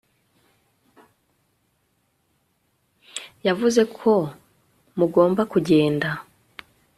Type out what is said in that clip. yavuze ko mugomba kugenda